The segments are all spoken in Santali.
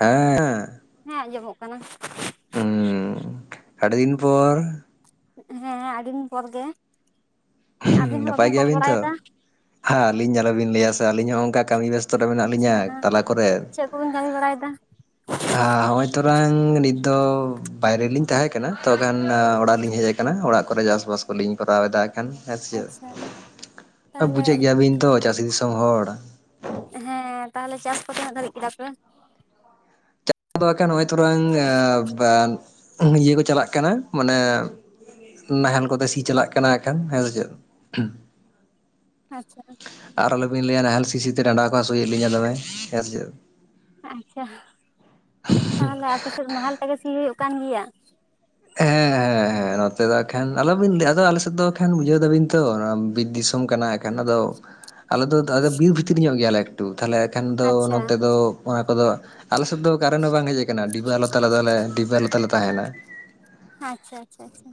ᱦᱮᱸᱼᱼ ᱦᱮᱸ ᱟᱸᱡᱚᱢᱚᱜ ᱠᱟᱱᱟ᱾ ᱦᱩᱸ ᱟᱹᱰᱤ ᱫᱤᱱ ᱯᱚᱨ? ᱦᱮᱸ ᱟᱹᱰᱤ ᱫᱤᱱ ᱯᱚᱨ ᱜᱮ ᱟᱹᱵᱤᱱ ᱦᱚᱸ ᱱᱟᱯᱟᱭ ᱵᱟᱹᱵᱤᱱ ᱠᱚᱞ ᱜᱮᱭᱟᱵᱤᱱ ᱵᱟᱲᱟᱭᱮᱫᱟ? ᱛᱚ? ᱦᱮᱸ ᱟᱹᱞᱤᱧ ᱟᱞᱚ ᱵᱤᱱ ᱞᱟᱹᱭᱟ ᱥᱮ ᱟᱹᱞᱤᱧ ᱦᱚᱸ ᱚᱱᱠᱟ ᱠᱟᱹᱢᱤ ᱵᱮᱥᱛᱚ ᱨᱮ ᱢᱮᱱᱟᱜ ᱞᱤᱧᱟ ᱟᱪᱪᱷᱟ ᱛᱟᱞᱟ ᱠᱚᱨᱮᱼᱼ ᱪᱮᱫ ᱠᱚ ᱵᱤᱱ ᱠᱟᱹᱢᱤ ᱵᱟᱲᱟᱭᱮᱫᱟ? ᱟ ᱦᱚᱸᱜᱼᱚᱭ ᱛᱚᱨᱟᱝ ᱱᱤᱛ ᱫᱚ ᱵᱟᱭᱨᱮ ᱞᱤᱧ ᱛᱟᱦᱮᱸ ᱠᱟᱱᱟ ᱛᱚ ᱠᱷᱟᱱ ᱚᱲᱟᱜ ᱞᱤᱧ ᱦᱮᱡ ᱟᱠᱟᱱᱟ᱾ ᱠᱟᱱᱟ ᱚᱲᱟᱜ ᱠᱚᱨᱮ ᱪᱟᱥ ᱵᱟᱥ ᱠᱚ ᱞᱤᱧ ᱠᱚᱨᱟᱣ ᱮᱫᱟ᱾ ᱠᱷᱟᱱ ᱦᱮᱸ ᱥᱮ ᱟᱪᱪᱷᱟ ᱛᱟᱦᱚᱞᱮ ᱵᱩᱡᱷᱮᱜ ᱜᱮᱭᱟ ᱵᱤᱱ ᱛᱚ ᱪᱟᱹᱥᱤ ᱫᱤᱥᱚᱢ ᱦᱚᱲ᱾ ᱦᱮᱸ ᱛᱟᱦᱚᱞᱮ ᱪᱟᱥ ᱠᱚ ᱛᱤᱱᱟᱹᱜ ᱫᱷᱟᱹᱨᱤᱡ ᱠᱮᱫᱟ ᱯᱮ ᱟᱫᱚ ᱮᱠᱷᱟᱱ ᱱᱚᱜᱼᱚᱭ ᱛᱚᱨᱟᱝ [unintelligible] ᱤᱭᱟᱹ ᱠᱚ ᱪᱟᱞᱟᱜ ᱠᱟᱱᱟ ᱢᱟᱱᱮ ᱱᱟᱦᱮᱞ ᱠᱚᱛᱮ ᱥᱤ ᱪᱟᱞᱟᱜ ᱠᱟᱱᱟ ᱮᱠᱷᱮᱱ ᱦᱮᱸ ᱥᱮ ᱪᱮᱫ ᱟᱪᱪᱷᱟ ᱟᱨ ᱟᱞᱚ ᱵᱤᱱ ᱞᱟᱹᱭᱟ ᱱᱟᱦᱮᱞ ᱥᱤ ᱥᱤ ᱛᱮ ᱰᱟᱸᱰᱟ ᱠᱚ ᱦᱟᱹᱥᱩᱭᱮᱫ ᱞᱤᱧᱟᱹ ᱫᱚᱢᱮ ᱦᱮᱸ ᱥᱮ ᱪᱮᱫ ᱟᱪᱪᱷᱟ ᱛᱟᱦᱚᱞᱮ ᱟᱯᱮ ᱥᱮᱫ ᱱᱟᱦᱮᱞ ᱛᱮᱜᱮ ᱥᱤ ᱦᱩᱭᱩᱜ ᱠᱟᱱ ᱜᱮᱭᱟ᱾ ᱦᱮᱸ ᱦᱮᱸ ᱦᱮᱸᱜ ᱦᱮᱸ ᱱᱚᱛᱮ ᱫᱚ ᱮᱠᱷᱟᱱ ᱟᱞᱚ ᱵᱤᱱ ᱞᱟᱹᱭ ᱟᱫᱚ ᱟᱞᱮ ᱥᱮᱫ ᱫᱚ ᱠᱷᱟᱱ ᱵᱩᱡᱷᱟᱹᱣ ᱫᱟᱹᱵᱤᱱ ᱛᱚ ᱱᱚᱣᱟ ᱵᱤᱨ ᱫᱤᱥᱚᱢ ᱠᱟᱱᱟ ᱮᱠᱷᱟᱱ ᱟᱫᱚ ᱟᱞᱮ ᱫᱚ ᱟᱫᱚ ᱵᱤᱨ ᱵᱷᱤᱛᱨᱤ ᱧᱚᱜ ᱜᱮᱭᱟᱞᱮ ᱮᱠᱴᱩ ᱛᱟᱦᱞᱮ ᱮᱠᱷᱮᱱ ᱫᱚ ᱟᱪᱪᱷᱟ ᱱᱚᱛᱮ ᱫᱚ ᱚᱱᱟ ᱠᱚᱫᱚ ᱟᱞᱮ ᱥᱮᱫ ᱫᱚ ᱠᱟᱨᱮᱱᱴ ᱦᱚᱸ ᱵᱟᱝ ᱦᱮᱡ ᱟᱠᱟᱱᱟ ᱰᱤᱵᱟᱹ ᱟᱞᱚ ᱛᱮᱞᱮ ᱫᱚᱞᱮ ᱰᱤᱵᱟᱹ ᱟᱞᱚ ᱛᱮᱞᱮ ᱛᱟᱦᱮᱱᱟ᱾ ᱟᱪᱪᱷᱟ ᱟᱪᱪᱷᱟ ᱟᱪᱪᱷᱟ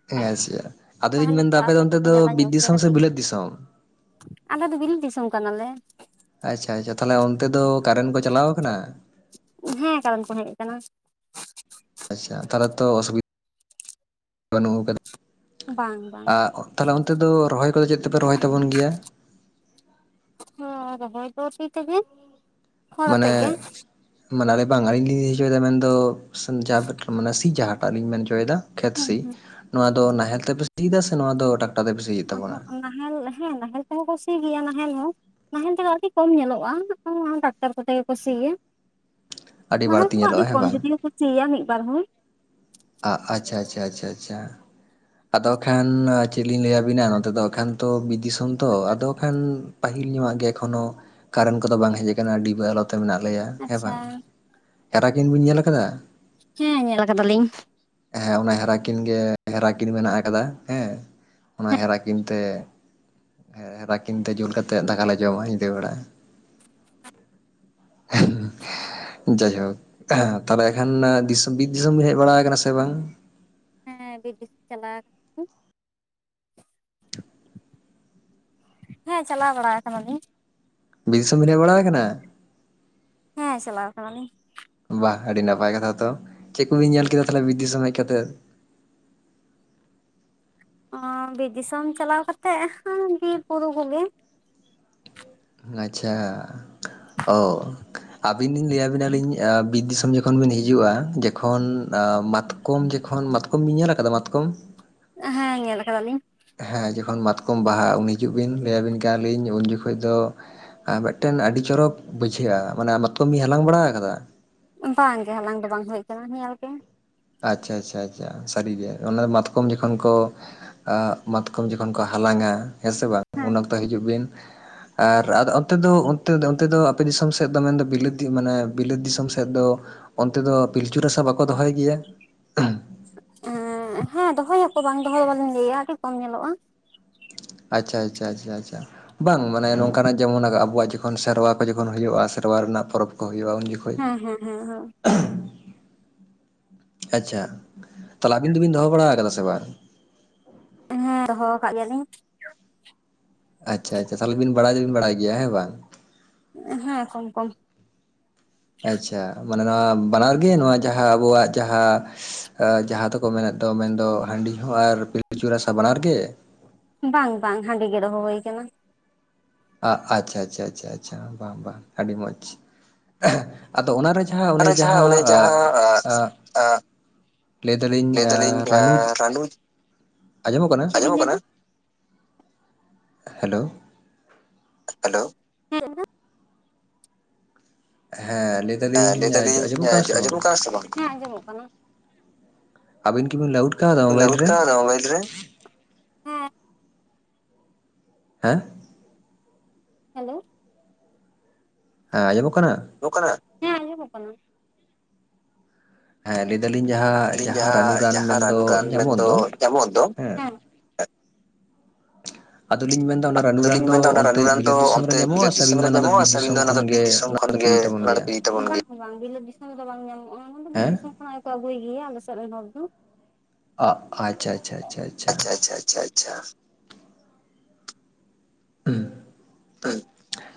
[unintelligible] ᱟᱫᱚ ᱞᱤᱧ ᱛᱟᱦᱚᱞᱮ ᱢᱮᱱᱫᱟ ᱛᱚ ᱟᱯᱮ ᱫᱚ ᱚᱱᱛᱮ ᱥᱮᱫ ᱫᱚ ᱡᱟᱞᱟ ᱵᱤᱨ ᱧᱚᱜ ᱜᱮᱭᱟ ᱫᱤᱥᱚᱢ ᱥᱮ ᱠᱟᱹᱴᱤᱡ ᱵᱤᱞᱟᱹᱛ ᱫᱤᱥᱚᱢ ᱟᱞᱮ ᱫᱚ ᱵᱤᱞᱤᱛ ᱫᱤᱥᱚᱢ ᱠᱟᱱᱟ ᱞᱮ ᱟᱪᱪᱷᱟ ᱟᱪᱪᱷᱟ ᱛᱟᱦᱚᱞᱮ ᱚᱱᱛᱮ ᱫᱚ ᱠᱟᱨᱮᱱᱴ ᱠᱚ ᱪᱟᱞᱟᱣ ᱟᱠᱟᱱᱟ᱾ ᱦᱮᱸ ᱠᱟᱨᱮᱱᱴ ᱠᱚ ᱦᱮᱡ ᱟᱠᱟᱱᱟ᱾ ᱟᱪᱪᱷᱟ ᱛᱟᱦᱚᱞᱮ ᱛᱚ ᱚᱥᱩᱵᱤᱫ ᱵᱟᱹᱱᱩᱜ ᱟᱠᱟᱫᱟ ᱵᱟᱝ ᱵᱟᱝ [unintelligible] ᱛᱟᱦᱚᱞᱮ ᱚᱱᱛᱮ ᱫᱚ ᱨᱚᱦᱚᱭ ᱠᱚᱫᱚ ᱪᱮᱫ ᱛᱮᱯᱮ ᱨᱚᱦᱚᱭ ᱛᱟᱵᱚᱱ ᱜᱮᱭᱟ ᱦᱮᱸ ᱨᱚᱦᱚᱭ ᱫᱚ ᱥᱤ ᱛᱮᱜᱮ ᱦᱚᱲ ᱢᱟᱱᱮ ᱟᱛᱮᱫ ᱜᱮ ᱢᱟᱱ ᱟᱞᱮ ᱵᱟᱝ ᱟᱹᱞᱤᱧ ᱞᱤᱧ ᱟᱹᱭᱠᱟᱹᱣ ᱫᱟ ᱢᱮᱱ ᱫᱚ ᱥᱮᱱ ᱡᱟᱦᱟᱸ ᱢᱟᱱᱮ ᱥᱤ ᱡᱟᱦᱟᱸᱴᱟᱜ ᱞᱤᱧ ᱢᱮᱱ ᱚᱪᱚᱭ ᱮᱫᱟ [unintelligible] ᱠᱷᱮᱛ ᱦᱩᱸ ᱥᱤ ᱦᱩᱸ ᱱᱚᱣᱟ ᱫᱚ ᱱᱟᱦᱮᱞ ᱛᱮᱯᱮ ᱥᱤᱫᱟ ᱥᱮ ᱱᱚᱣᱟ ᱫᱚ ᱴᱟᱠ ᱟᱺᱦᱟᱺᱜ ᱱᱟᱦᱮᱞ ᱦᱮᱸ ᱱᱟᱦᱮᱞ ᱛᱮᱦᱚᱸ ᱠᱚ ᱥᱤ ᱜᱮᱭᱟ ᱱᱟᱦᱮᱞ ᱦᱚᱸ ᱱᱟᱦᱮᱞ ᱛᱮᱦᱚᱸ ᱟᱹᱰᱤ ᱠᱚᱢ ᱧᱮᱞᱚᱜᱼᱟ᱾ ᱚᱱᱟ ᱴᱟᱠᱴᱟᱨ ᱠᱚᱛᱮ ᱜᱮ ᱠᱚ ᱥᱤ ᱜᱮᱭᱟ᱾ ᱟᱹᱰᱤ ᱱᱟᱦᱮᱞ ᱵᱟᱹᱲᱛᱤ ᱛᱮ ᱦᱚᱸ ᱟᱹᱰᱤ ᱧᱮᱞᱚᱜᱼᱟ ᱦᱮᱸ ᱠᱚᱢ ᱵᱟᱝ ᱡᱩᱫᱤ ᱠᱚ ᱥᱤᱭᱟ ᱢᱤᱫ ᱵᱟᱨ ᱦᱚᱲ [unintelligible] ᱟ ᱟᱪᱪᱷᱟ ᱟᱪᱪᱷᱟ ᱟᱪᱷᱟ ᱟᱪᱷᱟ ᱟᱫᱚ ᱠᱷᱟᱱ ᱪᱮᱫ ᱞᱤᱧ ᱞᱟᱹᱭᱟᱵᱤᱱᱟ ᱱᱚᱛᱮ ᱫᱚ ᱮᱠᱷᱟᱱ ᱛᱚ ᱵᱤᱨ ᱫᱤᱥᱚᱢ ᱛᱚ ᱟᱫᱚ ᱠᱷᱟᱱ ᱯᱟᱹᱦᱤᱞ ᱧᱚᱜᱼᱟᱜ ᱜᱮ ᱮᱠᱷᱚᱱᱳ ᱠᱟᱨᱮᱱᱴ ᱠᱚᱫᱚ ᱵᱟᱝ ᱦᱮᱡ ᱟᱠᱟᱱᱟ ᱰᱤᱵᱟᱹ ᱟᱞᱚᱛ ᱛᱚ ᱢᱮᱱᱟᱜ ᱞᱮᱭᱟ ᱦᱮᱸ ᱟᱪᱪᱷᱟ ᱵᱟᱝ ᱦᱮᱨᱟ ᱠᱤᱱ ᱵᱤᱱ ᱧᱮᱞ ᱟᱠᱟᱫᱟ ᱦᱮᱸ ᱧᱮᱞ ᱟᱠᱟᱫᱟ ᱞᱤᱧ ᱦᱮᱸ ᱚᱱᱟ ᱦᱮᱨᱟ ᱠᱤᱱ ᱜᱮ ᱦᱮᱨᱟ ᱠᱤᱱ ᱢᱮᱱᱟᱜ ᱟᱠᱟᱫᱟ ᱦᱮᱸ ᱚᱱᱟ ᱦᱮᱸ ᱦᱮᱨᱟ ᱠᱤᱱ ᱛᱮ ᱦᱮᱨᱟ ᱠᱤᱱ ᱛᱮ ᱡᱩᱞ ᱠᱟᱛᱮᱫ ᱫᱟᱠᱟᱞᱮ ᱡᱚᱢᱟ ᱧᱤᱫᱟᱹ ᱵᱮᱲᱟ [unintelligible] ᱡᱟᱭᱦᱳᱠ [unintelligible] ᱛᱟᱦᱞᱮ ᱮᱠᱷᱟᱱ ᱫᱤᱥ ᱵᱤᱨ ᱫᱤᱥᱚᱢ ᱵᱮᱱ ᱦᱮᱡ ᱵᱟᱲᱟ ᱟᱠᱟᱱᱟ ᱥᱮ ᱵᱟᱝ ᱦᱮᱸ ᱵᱤᱨ ᱫᱤᱥᱚᱢ ᱪᱟᱞᱟᱣ ᱜᱤ [inaudible] ᱦᱮᱸ ᱪᱟᱞᱟᱣ ᱵᱟᱲᱟ ᱟᱠᱟᱱᱟ ᱞᱤᱧ ᱵᱤᱨ ᱫᱤᱥᱚᱢ ᱵᱮᱱ ᱦᱮᱡ ᱵᱟᱲᱟ ᱟᱠᱟᱱᱟ᱾ ᱦᱮᱸ ᱪᱟᱞᱟᱣ ᱟᱠᱟᱱᱟ ᱞᱤᱧ ᱵᱟᱦ ᱟᱹᱰᱤ ᱱᱟᱯᱟᱭ ᱠᱟᱛᱷᱟ ᱛᱚ ᱪᱮᱫ ᱠᱚᱵᱤᱱ ᱧᱮᱞ ᱠᱮᱫᱟ ᱛᱟᱦᱚᱞᱮ ᱵᱤᱫ ᱫᱤᱥᱚᱢ ᱦᱮᱡ ᱠᱟᱛᱮ ᱚᱸ ᱵᱤᱨ ᱫᱤᱥᱚᱢ ᱪᱟᱞᱟᱣ ᱠᱟᱛᱮᱜ ᱦᱟᱺᱜ ᱵᱤᱨ ᱵᱩᱨᱩ ᱠᱚᱜᱮ ᱟᱪᱪᱷᱟ ᱚ ᱟᱹᱵᱤᱱ ᱞᱤᱧ ᱞᱟᱹᱭᱟᱵᱤᱱᱟ ᱞᱤᱧ ᱵᱤᱫ ᱫᱤᱥᱚᱢ ᱡᱚᱠᱷᱚᱱ ᱵᱤᱱ ᱦᱤᱡᱩᱜᱼᱟ᱾ ᱡᱚᱠᱷᱚᱱ ᱟ ᱢᱟᱛ ᱠᱚᱢ ᱡᱚᱠᱷᱚᱱ ᱢᱟᱛᱠᱚᱢ ᱵᱤᱱ ᱧᱮᱞ ᱟᱠᱟᱫᱟ ᱢᱟᱛᱠᱚᱢ ᱦᱮᱸ ᱧᱮᱞ ᱟᱠᱟᱫᱟ ᱞᱤᱧ ᱦᱮᱸ ᱡᱚᱠᱷᱚᱱ ᱢᱟᱛᱠᱚᱢ ᱵᱟᱦᱟᱜ ᱩᱱ ᱦᱤᱡᱩᱜ ᱵᱤᱱ ᱞᱟᱹᱭ ᱟᱹᱵᱤᱱ ᱠᱟᱱᱟ ᱞᱤᱧ ᱩᱱ ᱡᱚᱠᱷᱚᱡ ᱫᱚ ᱟᱨ ᱢᱤᱫᱴᱮᱱ ᱟᱹᱰᱤ ᱪᱚᱨᱚᱠ ᱵᱩᱡᱷᱟᱹᱜᱼᱟ ᱢᱟᱱᱮ ᱢᱟᱛᱚᱢᱤᱧ ᱦᱟᱞᱟᱝ ᱵᱟᱲᱟ ᱟᱠᱟᱫᱟ? ᱵᱟᱝᱜᱮ ᱦᱟᱞᱟᱝ ᱫᱚ ᱵᱟᱝ ᱦᱩᱭ ᱟᱠᱟᱱᱟ ᱧᱮᱮᱞ ᱜᱮ᱾ ᱟᱪᱪᱷᱟ ᱟᱪᱪᱷᱟ ᱟᱪᱪᱷᱟ ᱥᱟᱹᱨᱤ ᱜᱮ ᱚᱱᱟ ᱢᱟᱛᱠᱚᱢ ᱡᱚᱠᱷᱚᱱ ᱠᱚ ᱟᱸᱜ ᱢᱟᱛᱠᱚᱢ ᱡᱚᱠᱷᱚᱱ ᱠᱚ ᱦᱟᱞᱟᱝᱼᱟ ᱦᱮᱸ ᱥᱮ ᱵᱟᱝ ᱦᱮᱸ ᱩᱱ ᱚᱠᱛᱚ ᱦᱤᱡᱩᱜ ᱵᱤᱱ ᱟᱨ ᱚᱱᱛᱮ ᱫᱚ ᱚᱱᱛᱮ ᱫᱚ ᱚᱱᱛᱮ ᱫᱚ ᱟᱯᱮ ᱫᱤᱥᱚᱢ ᱥᱮᱫ ᱫᱚ ᱢᱮᱱᱫᱚ ᱵᱤᱞᱟᱹᱛᱤ ᱢᱟᱱᱮ ᱵᱤᱞᱟᱹᱛ ᱫᱤᱥᱚᱢ ᱥᱮᱫ ᱫᱚ ᱚᱱᱛᱮ ᱫᱚ ᱯᱤᱞᱪᱩ ᱨᱟᱥᱟ ᱵᱟᱠᱚ ᱫᱚᱦᱚᱭ ᱜᱮᱭᱟ? ᱦᱮᱸ ᱫᱚᱦᱚᱭᱟᱠᱚ ᱵᱟᱝ ᱫᱚᱦᱚ ᱵᱟᱞᱤᱧ ᱞᱟᱹᱭᱟ ᱟᱹᱰᱤ ᱠᱚᱢ ᱧᱮᱞᱚᱜᱼᱟ᱾ ᱟᱪᱪᱷᱟ ᱟᱪᱪᱷᱟ ᱟᱪᱪᱷᱟ ᱟᱪᱪᱷᱟ᱾ ᱵᱟᱝ ᱢᱟᱱᱮ ᱱᱚᱝᱠᱟᱱᱟᱜ ᱡᱮᱢᱚᱱ ᱟᱵᱚᱣᱟᱜ ᱡᱚᱠᱷᱚᱱ ᱥᱮᱨᱣᱟ ᱠᱚ ᱡᱚᱠᱷᱚᱱ ᱦᱩᱭᱩᱜᱼᱟ ᱥᱮᱨᱣᱟ ᱨᱮᱱᱟᱜ ᱯᱚᱨᱚᱵᱽ ᱠᱚ ᱦᱩᱭᱩᱜᱼᱟ ᱩᱱ ᱡᱚᱠᱷᱚᱱ ᱦᱮᱸ ᱦᱮᱸ ᱦᱮᱸ ᱦᱮᱸ᱾ ᱟᱪᱪᱷᱟ ᱛᱟᱦᱚᱞᱮ ᱟᱵᱤᱱ ᱫᱚᱵᱤᱱ ᱫᱚᱦᱚ ᱵᱟᱲᱟᱠᱟᱫᱟ ᱥᱮ ᱵᱟᱝ? ᱦᱮᱸ ᱫᱚᱦᱚ ᱟᱠᱟᱫ ᱜᱮᱭᱟᱞᱤᱧ᱾ ᱟᱪᱪᱷᱟ ᱟᱪᱪᱷᱟ ᱛᱟᱦᱚᱞᱮ ᱵᱤᱱ ᱵᱟᱲᱟᱭ ᱫᱚᱵᱤᱱ ᱵᱟᱲᱟᱭ ᱜᱮᱭᱟ ᱦᱮᱸ ᱵᱟᱝ? ᱦᱮᱸ ᱠᱚᱢ ᱠᱚᱢ᱾ ᱟᱪᱪᱷᱟ ᱢᱟᱱᱮ ᱱᱚᱣᱟ ᱵᱟᱱᱟᱨ ᱜᱮ ᱱᱚᱣᱟ ᱡᱟᱦᱟᱸ ᱟᱵᱚᱣᱟᱜ ᱡᱟᱦᱟᱸ ᱡᱟᱸᱦᱟ ᱫᱚᱠᱚ ᱢᱮᱱᱮᱫ ᱫᱚ ᱢᱮᱱᱫᱚ ᱦᱟᱺᱰᱤ ᱦᱚᱸ ᱟᱨ ᱯᱤᱞᱩᱪᱩ ᱨᱟᱥᱟ ᱵᱟᱱᱟᱨ ᱜᱮ? ᱵᱟᱝ ᱵᱟᱝ ᱦᱟᱸᱰᱤ ᱜᱮ ᱫᱚᱦᱚ ᱦᱩᱭ ᱟᱠᱟᱱᱟ᱾ ᱟᱪᱪᱷᱟ ᱟᱪᱪᱷᱟ ᱟᱷᱟᱷᱟ ᱵᱟᱝ ᱵᱟᱝ ᱟᱹᱰᱤ ᱢᱚᱡᱽ᱾ ᱟᱫᱚ ᱚᱱᱟᱨᱮ ᱡᱟᱦᱟᱸ ᱚᱱᱮ ᱟᱨᱚ ᱡᱟᱦᱟᱸ ᱚᱱᱮ ᱡᱟᱦᱟᱸ ᱞᱟᱹᱭ ᱫᱟᱞᱤᱧ ᱨᱟᱱᱩ, ᱟᱸᱡᱚᱢᱚᱜ ᱠᱟᱱᱟ? ᱦᱮᱞᱳ ᱦᱮᱞᱳ ᱦᱮᱸ [inaudible] ᱦᱮᱸ ᱞᱟᱹᱭ ᱦᱮᱸ ᱞᱟᱹᱭ ᱫᱟᱞᱤᱧ ᱟᱸᱡᱚᱢᱚᱜ ᱠᱟᱱᱟ ᱥᱮ ᱵᱟᱝ ᱟᱸᱡᱚᱢᱚᱜ ᱠᱟᱱᱟ ᱥᱮ ᱵᱟᱝ? ᱦᱮᱸ ᱟᱡᱚᱢᱜ ᱠᱟᱱᱟ᱾ ᱟᱵᱤᱱ ᱠᱤᱵᱤᱱ ᱞᱟᱣᱩᱰ ᱟᱠᱟᱣᱫᱟ ᱢᱳᱵᱟᱭᱤᱞ ᱨᱮ? [unintelligible] ᱦᱮᱸ ᱦᱮᱸ ᱦᱮᱞᱳ ᱦᱮᱸ ᱟᱸᱡᱚᱢᱚᱜ ᱠᱟᱱᱟ? ᱠᱟᱱᱟ, ᱦᱮᱸ ᱟᱚᱢᱚᱜ ᱠᱟᱱᱟ᱾ ᱦᱮᱸ ᱞᱟᱹᱭ ᱫᱟᱞᱤᱧ ᱡᱟᱦᱟᱸ, ᱟᱹᱞᱤᱧ ᱡᱟᱦᱟᱸ ᱨᱟᱱᱩ ᱨᱟᱱ ᱡᱟᱦᱟᱸ ᱢᱮᱱᱫᱚ ᱨᱟᱱᱩ ᱨᱟᱱ ᱧᱟᱢᱚᱜ ᱢᱮᱱᱫᱚ ᱫᱚ ᱧᱟᱢᱚᱜ ᱫᱚ ᱦᱮᱸ ᱟᱫᱚᱞᱤᱧ ᱢᱮᱱᱫᱟ ᱚᱱᱟ ᱨᱟᱱᱩ ᱨᱟᱱ ᱟᱫᱚᱞᱤᱧ ᱫᱚ ᱢᱮᱱᱫᱟ ᱚᱱᱟ ᱚᱱᱛᱮ ᱨᱟᱱᱩ ᱨᱟᱱ ᱫᱚ ᱵᱤᱞᱟᱹᱛ ᱫᱤᱥᱚᱢ ᱨᱮ ᱚᱱᱛᱮ ᱧᱟᱢᱚᱜᱼᱟ ᱵᱤᱞᱟᱹᱛ ᱥᱮ ᱫᱤᱥᱚᱢ ᱟᱹᱵᱤᱱ ᱫᱚ ᱨᱮ ᱚᱱᱟ ᱫᱚ ᱧᱟᱢᱚᱜᱼᱟ ᱵᱤᱨ ᱥᱮ ᱟᱵᱤᱧ ᱫᱤᱥᱚᱢ ᱫᱚ ᱚᱱᱟ ᱫᱚ ᱠᱷᱚᱱ ᱵᱤᱨ ᱜᱮ ᱫᱤᱥᱚᱢ ᱚᱱᱟ ᱠᱷᱚᱱ ᱠᱷᱚᱱ ᱫᱚᱯᱮ ᱜᱮ ᱤᱫᱤ ᱛᱟᱵᱚᱱ ᱚᱱᱟ ᱜᱮᱭᱟ ᱫᱚᱯᱮ ᱤᱫᱤ ᱛᱟᱵᱚᱱ ᱜᱮᱭᱟ? ᱚᱝᱠᱟ ᱫᱚ ᱵᱟᱝ ᱵᱤᱞᱤᱛ ᱫᱤᱥᱚᱢ ᱨᱮᱫᱚ ᱵᱟᱝ ᱧᱟᱢᱚᱜᱼᱟ ᱵᱤᱨ ᱦᱮᱸ ᱫᱤᱥᱚᱢ [unintelligible] ᱟᱹᱜᱩᱭ ᱜᱮᱭᱟ ᱟᱞᱮ ᱥᱮᱜ ᱨᱮᱱ ᱦᱚᱲ ᱫᱚ᱾ ᱟᱜ ᱟᱪᱪᱷᱟ ᱟᱪᱪᱷᱟ ᱟᱪᱪᱷᱟ ᱟᱪᱪᱷᱟ᱾ ᱟᱪᱪᱷᱟ ᱟᱪᱪᱷᱟ ᱟᱪᱪᱷᱟ᱾ [unintelligible] [unintelligible]